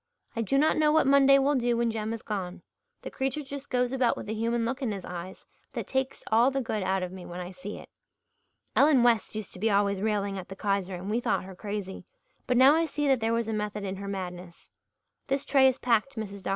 I do not know what Monday will do when Jem is gone. The creature just goes about with a human look in his eyes that takes all the good out of me when I see it. Ellen West used to be always railing at the Kaiser and we thought her crazy, but now I see that there was a method in her madness. This tray is packed, Mrs. Dr.